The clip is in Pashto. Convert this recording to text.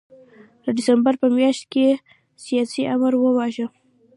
د ډسمبر په میاشت کې سیاسي آمر وواژه.